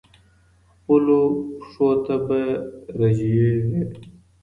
خپلو پښو ته به رژېږې